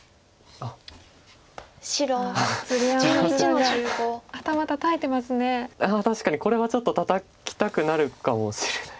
ああ確かにこれはちょっとたたきたくなるかもしれない。